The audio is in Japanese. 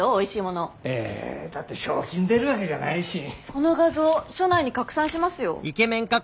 この画像署内に拡散しますよ。